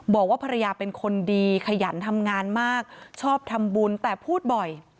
บอกว่าภรรยาเป็นคนดีขยันทำงานมากชอบทำบุญแต่พูดบ่อย